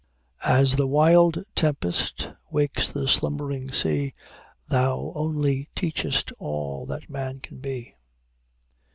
"As the wild tempest wakes the slumbering sea, Thou only teachest all that man can be!"